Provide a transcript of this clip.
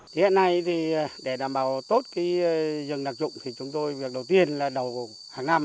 thì hiện nay thì để đảm bảo tốt cái rừng đặc dụng thì chúng tôi việc đầu tiên là đầu hàng năm